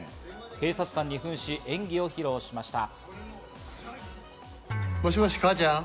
警察官に扮し、演技を披露しました。